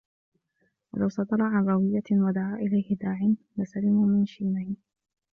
وَلَوْ صَدَرَ عَنْ رَوِيَّةٍ وَدَعَا إلَيْهِ دَاعٍ لَسَلِمُوا مِنْ شَيْنِهِ